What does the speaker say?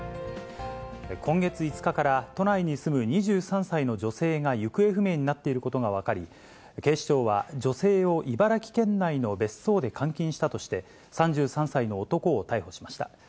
今月５日から、都内に住む２３歳の女性が行方不明になっていることが分かり、警視庁は、女性を茨城県内の別荘で監禁したとして、３３歳の男を逮捕しました。